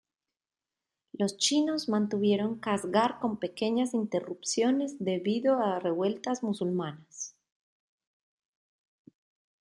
Los chinos mantuvieron Kasgar con pequeñas interrupciones debido a revueltas musulmanas.